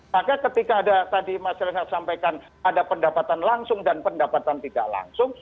maka ketika ada tadi mas renhat sampaikan ada pendapatan langsung dan pendapatan tidak langsung